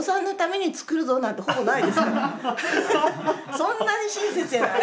そんなに親切じゃない。